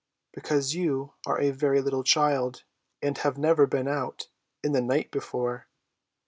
"Because you are a very little child, and have never been out in the night before."